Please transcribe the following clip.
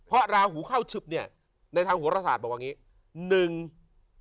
เพราะลาหูเข้าชึบเนี่ยในทางหัวราศาสตร์บอกว่าอย่างนี้